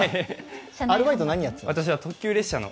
アルバイト、何をやっていたの？